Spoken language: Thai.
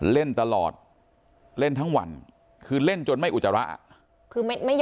เล่นตลอดเล่นทั้งวันคือเล่นจนไม่อุจจาระ